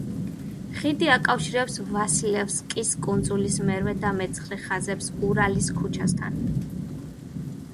ხიდი აკავშირებს ვასილევსკის კუნძულის მერვე და მეცხრე ხაზებს ურალის ქუჩასთან.